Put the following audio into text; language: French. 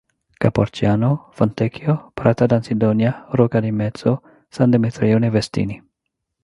Caporciano, Fontecchio, Prata d'Ansidonia, Rocca di Mezzo, San Demetrio ne' Vestini,